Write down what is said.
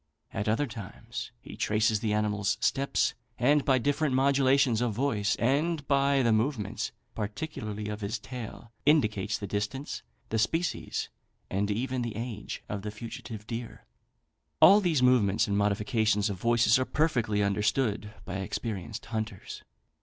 At other times he traces the animal's steps, and by different modulations of voice, and by the movements, particularly of his tail, indicates the distance, the species, and even the age of the fugitive deer. All these movements and modifications of voice are perfectly understood by experienced hunters.